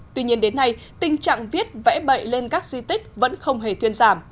tuy nhiên đến nay tình trạng viết vẽ bậy lên các di tích vẫn không hề thuyên giảm